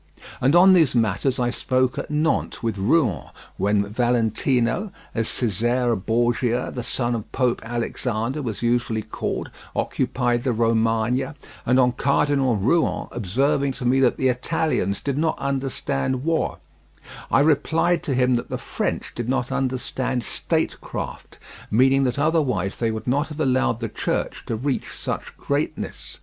And on these matters I spoke at Nantes with Rouen, when Valentino, as Cesare Borgia, the son of Pope Alexander, was usually called, occupied the Romagna, and on Cardinal Rouen observing to me that the Italians did not understand war, I replied to him that the French did not understand statecraft, meaning that otherwise they would not have allowed the Church to reach such greatness.